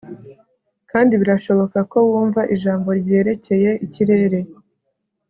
Kandi birashoboka ko wumva ijambo ryerekeye ikirere